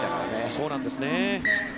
そうなんですね。